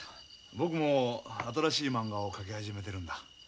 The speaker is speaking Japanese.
僕も新しいまんがを描き始めてるんだ。